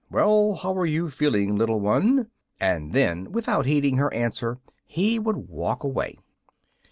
Well, how are you feeling, little one?" And then, without heeding her answer, he would walk away.